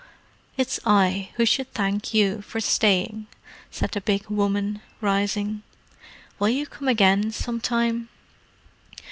"It's I who should thank you for staying," said the big woman, rising. "Will you come again, some time?"